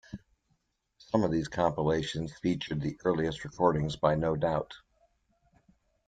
Some of these compilations featured the earliest recordings by No Doubt.